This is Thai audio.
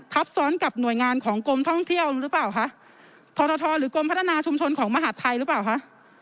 ทับซ้อนกับหน่วยงานของกรมท่องเที่ยวหรือเปล่าคะทรทหรือกรมพัฒนาชุมชนของมหาดไทยหรือเปล่าคะ